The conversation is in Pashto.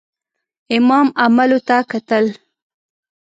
امام عملو ته کتل.